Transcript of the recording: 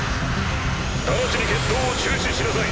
直ちに決闘を中止しなさい。